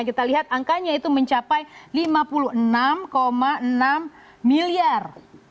kita lihat angkanya itu mencapai lima puluh enam enam miliar